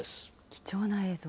貴重な映像。